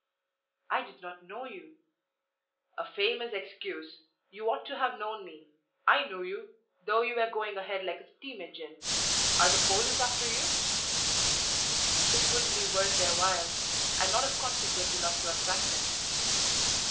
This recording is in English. "I did not know you." "A famous excuse! You ought to have known me; I knew you, though you were going ahead like a steam engine. Are the police after you?" "It wouldn't be worth their while; I'm not of consequence enough to attract them."